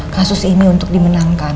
kasus ini untuk dimenangkan